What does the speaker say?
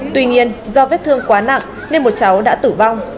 tuy nhiên do vết thương quá nặng nên một cháu đã tử vong